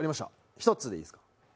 １つでいいですか？